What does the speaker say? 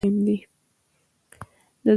د زړه ښه روغتیا لپاره مثبت عادتونه مهم دي.